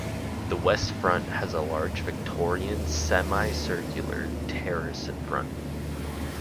The west front has a large Victorian semi-circular terrace in front.